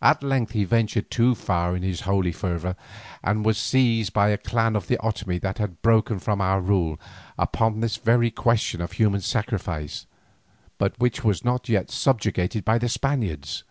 At length he ventured too far in his holy fervour, and was seized by a clan of the Otomie that had broken from our rule upon this very question of human sacrifice, but which was not yet subjugated by the Spaniards.